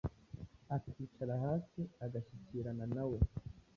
akicara hasi agashyikirana na we.